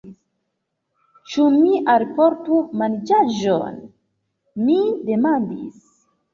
Ĉu mi alportu manĝaĵon? mi demandis.